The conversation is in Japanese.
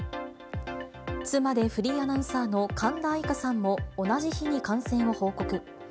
妻でフリーアナウンサーの神田愛花さんも、同じ日に感染を報告。